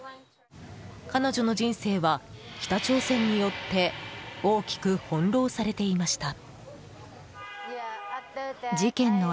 彼女の人生は北朝鮮によって大きく翻弄されていました。